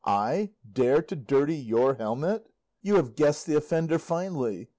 I dare to dirty your helmet! You have guessed the offender finely!